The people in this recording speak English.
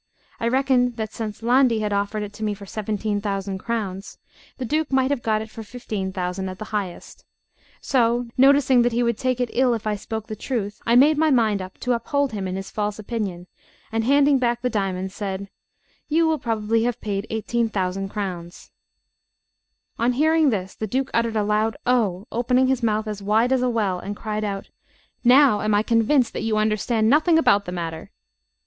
I reckoned that, since Landi had offered it to me for 17,000 crowns, the Duke might have got it for 15,000 at the highest; so, noticing that he would take it ill if I spoke the truth, I made my mind up to uphold him in his false opinion, and handing back the diamond, said: "You will probably have paid 18,000 crowns." On hearing this the Duke uttered a loud "Oh!" opening his mouth as wide as a well, and cried out: "Now am I convinced that you understand nothing about the matter."